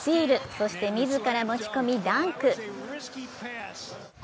そして自ら持ち込み、ダンク。